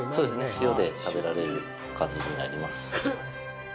塩で食べられる形になります。